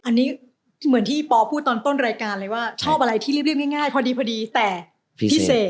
อันนี้เหมือนที่ปอพูดตอนต้นรายการเลยว่าชอบอะไรที่เรียบง่ายพอดีพอดีแต่พิเศษ